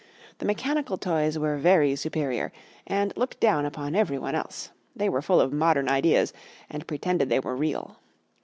The mechanical toys were very superior, and looked down upon every one else; they were full of modern ideas, and pretended they were real.